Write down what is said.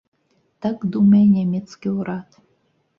Так думае нямецкі ўрад.